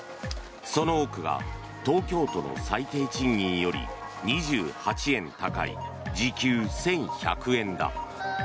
その多くが東京都の最低賃金より２８円高い時給１１００円だ。